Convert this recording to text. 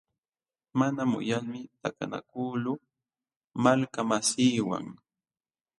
Mana muyalmi takanakuqluu malkamasiiwan.